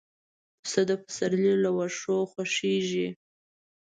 پسه د پسرلي له واښو خوښيږي.